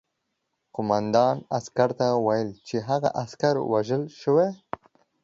قوماندان عسکر ته وویل چې هغه عسکر وژل شوی